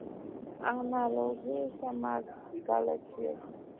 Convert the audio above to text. Analungusha ma galette yote